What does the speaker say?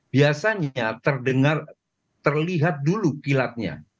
biasanya terlihat dulu kilatnya